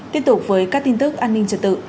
tiếp tục với các tin tức an ninh trật tự